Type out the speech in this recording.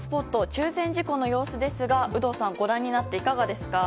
中禅寺湖の様子ですが有働さんご覧になっていかがですか？